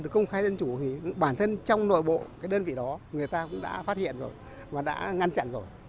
cái đơn vị đó người ta cũng đã phát hiện rồi mà đã ngăn chặn rồi